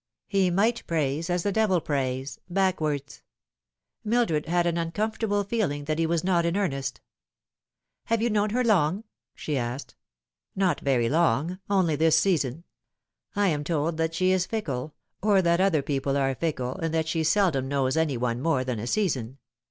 He might praise as the devil prays backwards. Mildred had an uncomfortable feeling that he was not in earnest. " Have you known her long ?" she asked. " Not very long ; only this season. I am told that she is fickle, or that other people are fickle, and that she seldom knows any one more than a season.